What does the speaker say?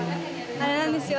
あれなんですよ